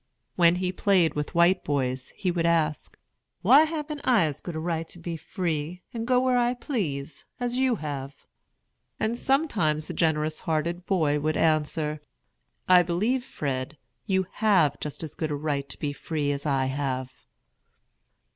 When he played with white boys, he would ask, "Why haven't I as good a right to be free, and go where I please, as you have?" And sometimes a generous hearted boy would answer, "I believe, Fred, you have just as good a right to be free as I have."